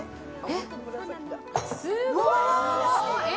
すごい。え？